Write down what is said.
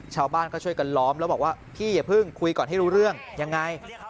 ชาวบ้านก็ช่วยกันล้อมแล้วบอกว่าพี่อย่าเพิ่งคุยก่อนให้รู้เรื่องยังไง